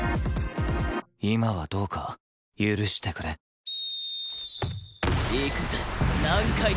今はどうか許してくれいくぜ何回でも！